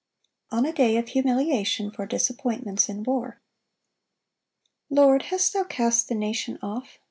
On a day of humiliation for disappointments in war. 1 Lord, hast thou cast the nation off?